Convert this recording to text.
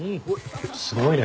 すごいね。